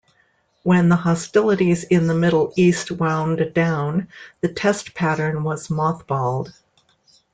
When the hostilities in the Middle East wound down, the test pattern was mothballed.